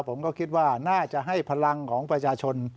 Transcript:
ผมก็คิดว่าน่าจะให้พลังของประชาชน